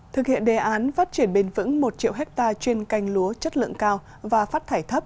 thực hiện đề án phát triển bền vững một triệu hectare chuyên canh lúa chất lượng cao và phát thải thấp